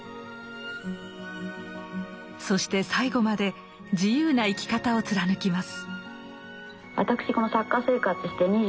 そして最後まで自由な生き方を貫きます。